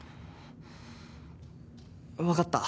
わかった。